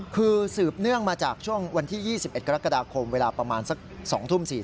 คือสืบเนื่องมาจากช่วงวันที่๒๑กรกฎาคมเวลาประมาณสัก๒ทุ่ม๔๐